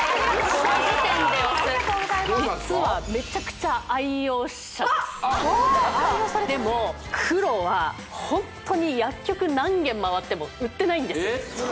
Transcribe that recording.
この時点で押す実はわあ愛用されてるでも黒はホントに薬局何軒回っても売ってないんですえっ